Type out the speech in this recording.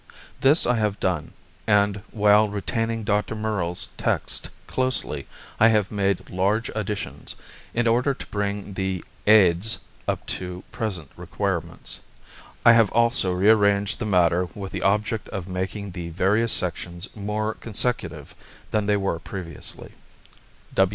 This I have done, and while retaining Dr. Murrell's text closely, I have made large additions, in order to bring the "Aids" up to present requirements. I have also rearranged the matter with the object of making the various sections more consecutive than they were previously.